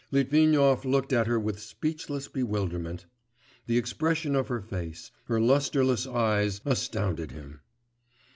Litvinov looked at her with speechless bewilderment. The expression of her face, her lustreless eyes, astounded him.